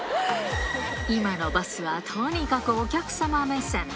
今のバスはとにかくお客様目線。